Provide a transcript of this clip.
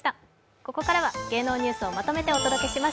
ここからは芸能ニュースをまとめてお届けします